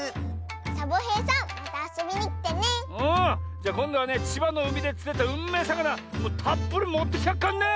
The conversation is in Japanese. じゃこんどはねちばのうみでつれたうんめえさかなたっぷりもってきてやっからね！